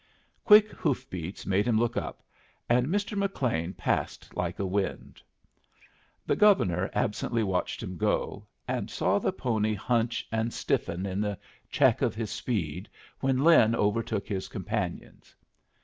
Quick hoof beats made him look up, and Mr. McLean passed like a wind. The Governor absently watched him go, and saw the pony hunch and stiffen in the check of his speed when Lin overtook his companions.